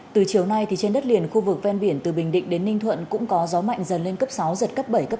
từ chiều nay trên đất liền khu vực ven biển từ bình định đến ninh thuận cũng có gió mạnh dần lên cấp sáu giật cấp bảy cấp năm